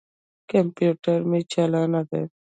کمپیوټر مې چالاند دي.